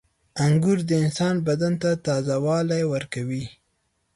• انګور د انسان بدن ته تازهوالی ورکوي.